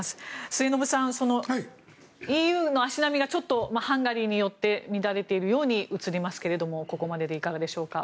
末延さん、ＥＵの足並みがちょっとハンガリーによって乱れているように映りますけれどここまででいかがでしょうか？